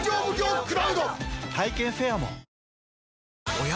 おや？